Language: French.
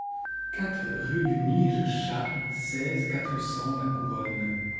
quatre rue du Nige Chat, seize, quatre cents, La Couronne